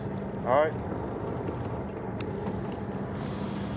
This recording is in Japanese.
はい。